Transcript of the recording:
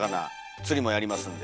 釣りもやりますんで。